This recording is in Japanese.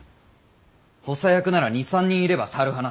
補佐役なら２３人いれば足る話。